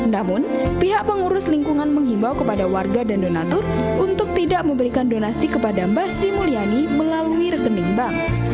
namun pihak pengurus lingkungan menghimbau kepada warga dan donatur untuk tidak memberikan donasi kepada mbak sri mulyani melalui rekening bank